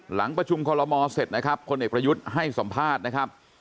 หลังประชุมคอลโลมอเสร็จนะครับคนเอกประยุทธ์ให้สัมภาษณ์นะครับ